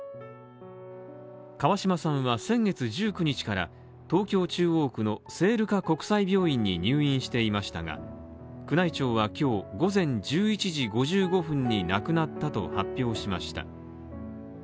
川嶋さんは先月１９日から東京中央区の聖路加国際病院に入院していましたが、宮内庁は今日午前１１時５５分に亡くなったと発表しました。